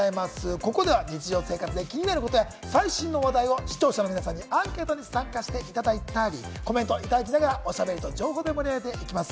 ここでは日常生活で気になることや、最新の話題を視聴者の皆さんにアンケートに参加していただいたり、コメントをいただきながら、おしゃべりと情報で盛り上げていきます。